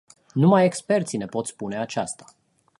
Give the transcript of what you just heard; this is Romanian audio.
Numai experții ne pot spune aceasta.